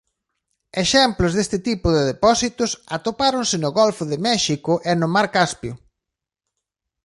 Exemplos deste tipo de depósitos atopáronse no Golfo de México e no mar Caspio.